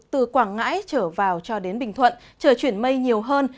từ quảng ngãi trở vào cho đến bình thuận trời chuyển mây nhiều hơn